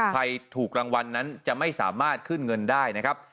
ใครถูกรางวัลนั้นจะไม่สามารถขึ้นเงินได้นะครับ